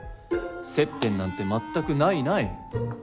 接点なんて全くないない！